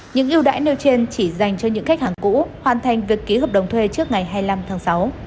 những yêu đãi nêu trên chỉ dành cho những khách hàng cũ hoàn thành việc ký hợp đồng thuê trước ngày hai mươi năm tháng sáu